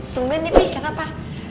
cepetan nih kenapa